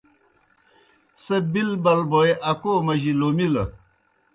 سہ بِل بَل بوئے اکو مجیْ لومِلہ۔